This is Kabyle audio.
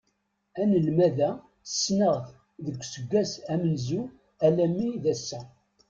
Anelmad-a ssneɣ-t deg uesggas amenzu alammi d ass-a.